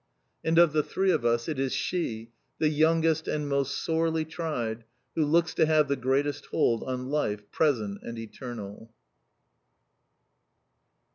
And of the three of us, it is she, the youngest and most sorely tried, who looks to have the greatest hold on life present and eternal.